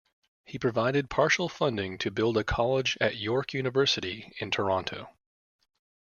He provided partial funding to build a college at York University in Toronto.